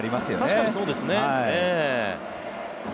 確かにそうですね。